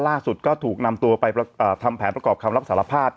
ล่าสุดก็ถูกนำตัวไปทำแผนประกอบคำรับสารภาพ